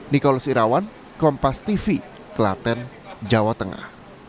nikolos irawan kompas tv kelaten jawa tengah